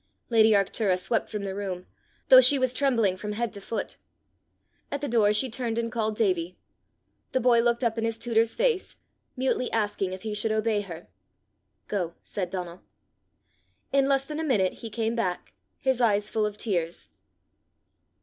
Lady Arctura swept from the room though she was trembling from head to foot. At the door she turned and called Davie. The boy looked up in his tutor's face, mutely asking if he should obey her. "Go," said Donal. In less than a minute he came back, his eyes full of tears.